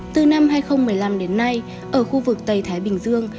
từ năm hai nghìn một mươi năm đến nay ở khu vực tây thái bình dương